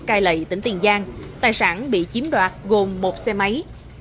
cai lậy tỉnh tiền giang tài sản bị chiếm đoạt gồm một xe máy